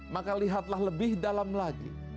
maka lihatlah lebih dalam lagi